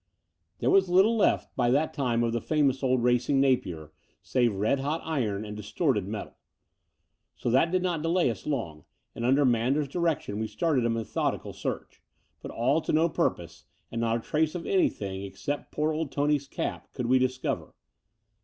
There was little left by that time of the famous old racing Napier save red hot iron and distorted metal. So that did not delay us long, and under Manders* direction we started a methodical search : but all to no purpose, and not a trace of anything, except poor old Tony's cap, could we discover.